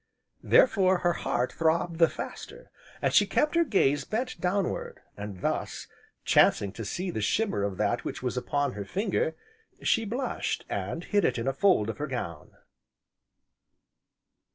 Therefore, her heart throbbed the faster, and she kept her gaze bent downward, and thus, chancing to see the shimmer of that which was upon her finger, she blushed, and hid it in a fold of her gown.